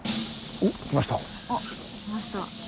おっ来ました。